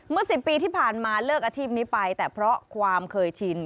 ๑๐ปีที่ผ่านมาเลิกอาชีพนี้ไปแต่เพราะความเคยชิน